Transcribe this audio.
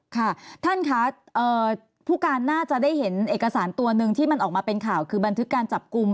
ค่ะท่านค่ะผู้การน่าจะได้เห็นเอกสารตัวหนึ่งที่มันออกมาเป็นข่าวคือบันทึกการจับกลุ่ม